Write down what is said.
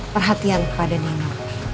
perhatian pada nino